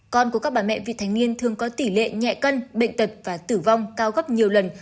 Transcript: con của các bà mẹ vị thành niên thường có tỷ lệ nhẹ cân bệnh tật và tử vong cao gấp nhiều lần